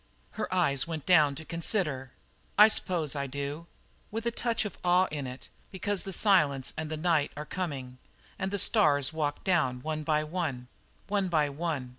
Her eyes went down to consider. "I s'pose I do." "With a touch of awe in it, because the silence and the night are coming, and the stars walk down, one by one one by one.